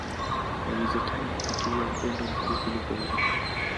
Haiwezekani kufikiria upendo mkuu kuliko huo.